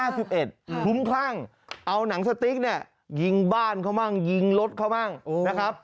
คุ้มคลั่งเอาหนังสติ๊กเนี่ยยิงบ้านเขามั่งยิงรถเขามั่งนะครับ